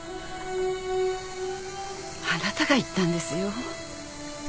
あなたが言ったんですよ。